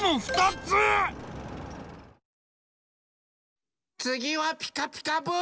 つぎは「ピカピカブ！」ですよ！